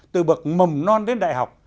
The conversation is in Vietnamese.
từ bậc mầm non đến đại học